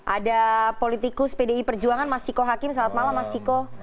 ada politikus pdi perjuangan mas ciko hakim selamat malam mas ciko